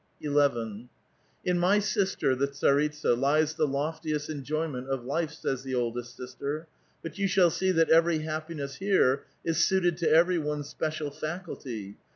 11. " In my sister, the tsaritsa, lies the loftiest enjoyment of life," says the oldest sister; "but you shail see that every happiness here is suited to every one's special faculty.